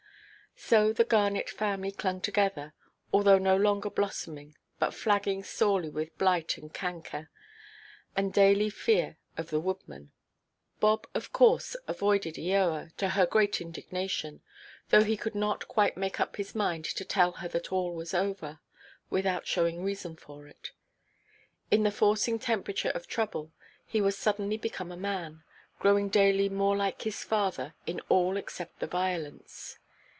So the Garnet family clung together, although no longer blossoming, but flagging sorely with blight and canker, and daily fear of the woodman. Bob, of course, avoided Eoa, to her great indignation, though he could not quite make up his mind to tell her that all was over, without showing reason for it. In the forcing temperature of trouble, he was suddenly become a man, growing daily more like his father, in all except the violence.